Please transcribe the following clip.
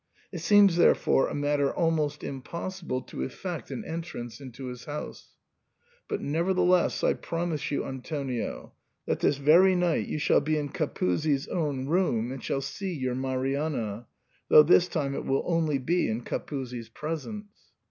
It seems, therefore, a matter almost impossible to effect an entrance into his house, but nevertheless I promise you, Antonio, that this very night you shall be in Capuzzi's own room and shall see your Mari anna, though this time it will only be in Capuzzi's presence."